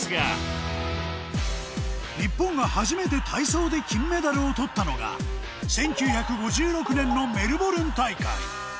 日本が初めて体操で金メダルをとったのが１９５６年のメルボルン大会